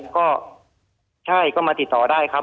ค่อยมาติดต่อได้ครับ